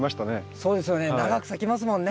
そうですよね長く咲きますもんね。